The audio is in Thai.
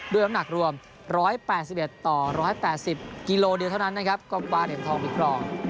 ด้วยน้ำหนักรวมร้อยแปดสิบเอ็ดต่อร้อยแปดสิบกิโลเดียวเท่านั้นนะครับกว้าเหรียญทองอีกรอ